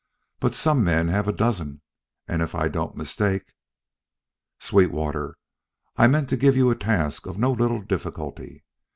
But some men have a dozen, and if I don't mistake " "Sweetwater, I meant to give you a task of no little difficulty.